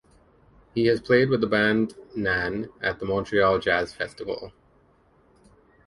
He has played with the band Nan at the Montreal Jazz Festival.